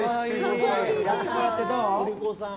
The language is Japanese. やってもらってどう？